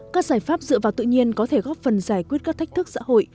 các giải pháp dựa vào tự nhiên có thể góp phần giải quyết các thách thức xã hội